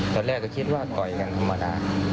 ตอนแรกก็คิดว่าต่อยกันธรรมดา